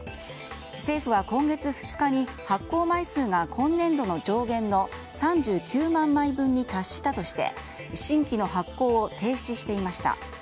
政府は今月２日に発行枚数が今年度の上限の３９万枚分に達したとして新規の発行を停止していました。